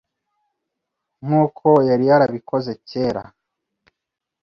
Nkuko yari yarabikoze kera